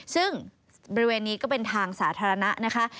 ซึ่งบริเวณนี้ก็เป็นทางสาธารณะนะคะ